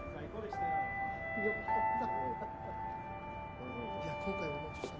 よかった。